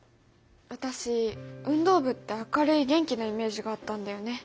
私運動部って明るい元気なイメージがあったんだよね。